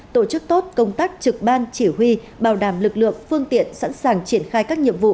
tổ chức tốt công tác trực ban chỉ huy bảo đảm lực lượng phương tiện sẵn sàng triển khai các nhiệm vụ